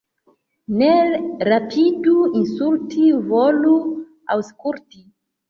Ne rapidu insulti, volu aŭskulti.